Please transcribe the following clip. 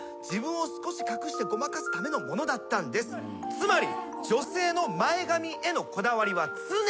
つまり。